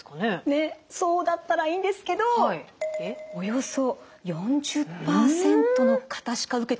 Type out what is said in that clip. ねっそうだったらいいんですけどおよそ４０％の方しか受けてないんです。